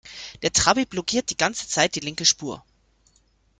Der Trabi blockiert die ganze Zeit die linke Spur.